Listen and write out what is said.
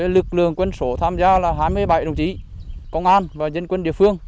lực lượng quân sổ tham gia là hai mươi bảy đồng chí công an và dân quân địa phương